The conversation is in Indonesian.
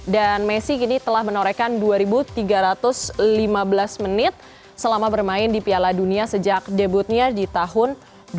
dan messi ini telah menorehkan dua tiga ratus lima belas menit selama bermain di piala dunia sejak debutnya di tahun dua ribu enam